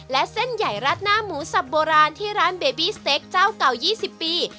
และเส้นใหญ่ราดหน้าหมูสับโบราณที่ร้านเบบี้สเต็กเจ้าเก่า๒๐ปี